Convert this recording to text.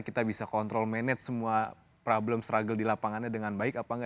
kita bisa kontrol manage semua problem struggle di lapangannya dengan baik apa enggak